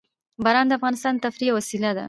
باران د افغانانو د تفریح یوه وسیله ده.